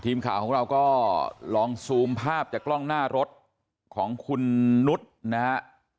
ทีมข่าวของเราก็ลองซูมภาพจากกล้องหน้ารถของคุณนุษย์นะฮะ